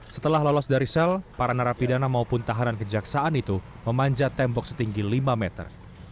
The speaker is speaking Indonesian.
setelah lolos dari sel para narapidana maupun tahanan kejaksaan itu memanjat tembok setinggi lima meter